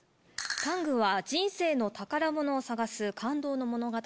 『ＴＡＮＧタング』は人生の宝物を探す感動の物語。